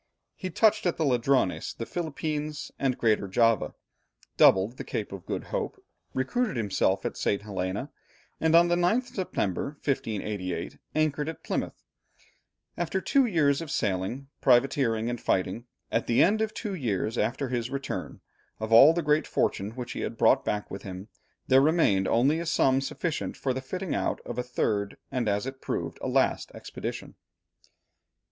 He touched at the Ladrones, the Philippines, and Greater Java, doubled the Cape of Good Hope, recruited himself at St. Helena, and on the 9th September, 1588, anchored at Plymouth, after two years of sailing, privateering, and fighting. At the end of two years after his return, of all the great fortune which he had brought back with him, there remained only a sum sufficient for the fitting out of a third, and as it proved, a last expedition.